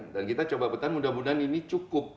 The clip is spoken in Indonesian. dan kita coba coba mudah mudahan ini cukup